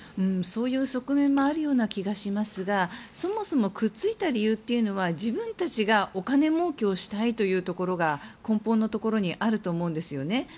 そういう側面もあるような気がしますがそもそもくっついた理由というのは自分たちがお金もうけをしたいというところが根本のところにあると思うんですよね。